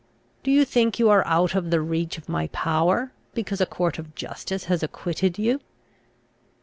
Do you think you are out of the reach of my power, because a court of justice has acquitted you?"